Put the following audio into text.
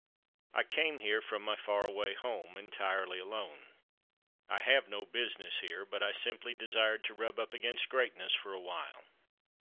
I came here from my far away home entirely alone. I have no business here, but I simply desired to rub up against greatness for awhile.